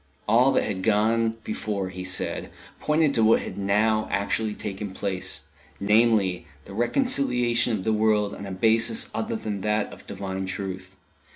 All that had gone before, he said, pointed to what had now actually taken place namely, the reconciliation of the world on a basis other than that of Divine Truth.